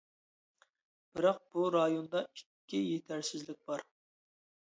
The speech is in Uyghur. بىراق بۇ رايوندا ئىككى يېتەرسىزلىك بار.